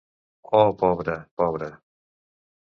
Oh pobre, pobre!